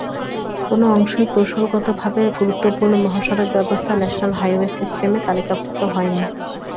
কোন অংশই কৌশলগতভাবে গুরুত্বপূর্ণ মহাসড়ক ব্যবস্থা, ন্যাশনাল হাইওয়ে সিস্টেমে তালিকাভুক্ত হয়নি।